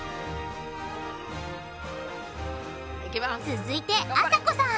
続いてあさこさん